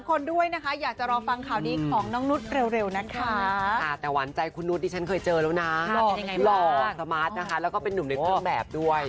คนด้วยนะคะอยากจะรอฟังข่าวดีของน้องนุษย์เร็วนะคะแต่หวานใจคุณนุษย์ฉันเคยเจอแล้วนะหล่อสมาร์ทนะคะแล้วก็เป็นนุ่มในเครื่องแบบด้วย